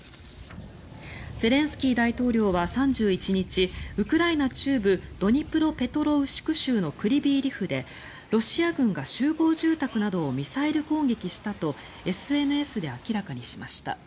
ゼレンスキー大統領は３１日ウクライナ中部ドニプロペトロウシク州のクリビー・リフでロシア軍が集合住宅などをミサイル攻撃したとＳＮＳで明らかにしました。